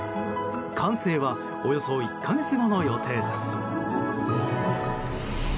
完成はおよそ１か月後の予定です。